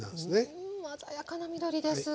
うん鮮やかな緑です！